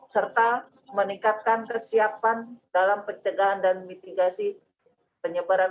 serta meningkatkan kesiapan dalam pencegahan dan mitigasi penyebaran